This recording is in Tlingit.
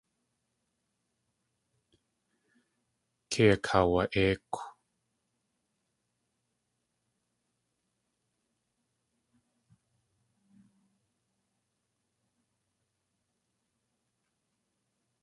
Kei akaawa.éikw.